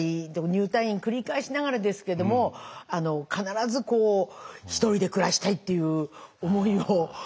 入退院繰り返しながらですけども「必ず一人で暮らしたい」っていう思いを抱いて。